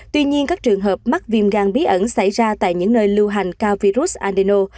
tuy nhiên các trường hợp mắc viêm gan bí ẩn xảy ra tại những nơi lưu hành cao virus andeno